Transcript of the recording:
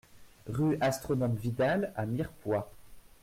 Rue Astronome Vidal à Mirepoix